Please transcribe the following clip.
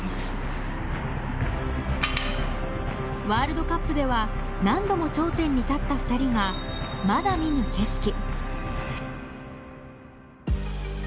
ワールドカップでは何度も頂点に立った２人がまだ見ぬ景色。